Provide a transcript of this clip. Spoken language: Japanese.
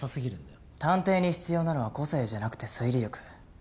探偵に必要なのは個性じゃなくて推理力。